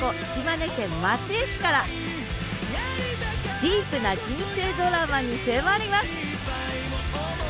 ディープな人生ドラマに迫ります！